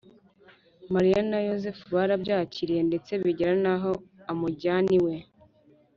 mariya na yozefu barabyakiriye ndetse bigera n’aho amujyana iwe.